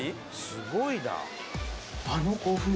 すごいな。